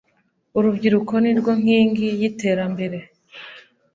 Urubyiruko nirwo nkingi y’iterambere